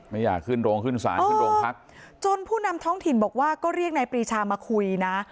ไม่อยากขึ้นโรงขึ้นศาลขึ้นโรงพักจนผู้นำท้องถิ่นบอกว่าก็เรียกนายปรีชามาคุยนะ